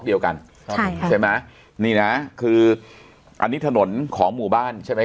เดียวกันครับใช่ไหมนี่นะคืออันนี้ถนนของหมู่บ้านใช่ไหม